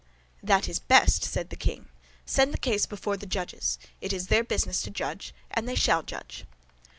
"That is best," said the king. "Send the case before the judges; it is their business to judge, and they shall judge."